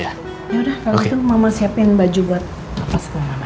yaudah kalau gitu mama siapin baju buat pas sama mama dulu ya